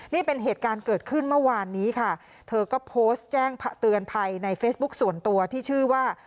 นี่เป็นเหตุการณ์เกิดขึ้นเมื่อวานนี้ค่ะเธอก็โพสต์แจ้งเตือนภัยในเฟซบุ๊คส่วนตัวที่ชื่อว่า